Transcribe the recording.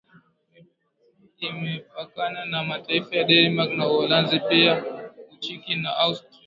Imepakana na mataifa ya Denmark na Uholanzi pia Uchki na Austria